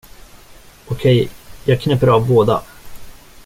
Okej, jag knäpper av båda.